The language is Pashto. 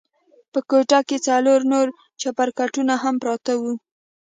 په کوټه کښې څلور نور چپرکټونه هم پراته وو.